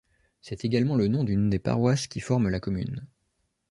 C'est également le nom d'une des paroisses qui forment la commune.